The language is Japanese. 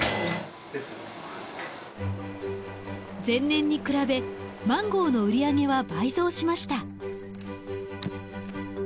前年に比べマンゴーの売り上げは倍増しました。